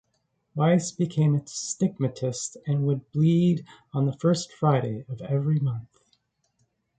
Wise became a stigmatist and would bleed on the first Friday of every month.